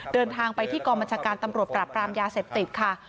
เดินทางไปที่กองบัญชาการตำรวจปรับปรามยาเสพติดค่ะ